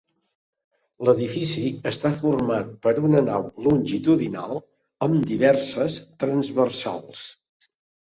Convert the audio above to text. L'edifici està format per una nau longitudinal amb diverses transversals.